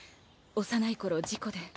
幼い頃事故で。